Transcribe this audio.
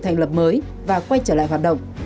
thành lập mới và quay trở lại hoạt động